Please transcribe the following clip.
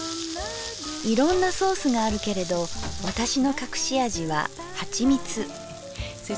いろんなソースがあるけれど私の隠し味ははちみつ。